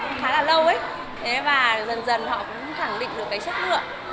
hệ thống trực tư mở cửa cũng được mở khá là lâu và dần dần họ cũng khẳng định được cái chất lượng